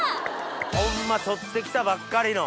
ホンマとって来たばっかりの。